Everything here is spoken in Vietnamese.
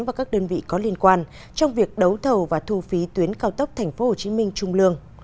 và các đơn vị có liên quan trong việc đấu thầu và thu phí tuyến cao tốc tp hcm trung lương